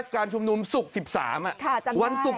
การชุมนุมสุข๑๓วันสุข๑๓